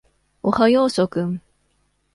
おはよう諸君。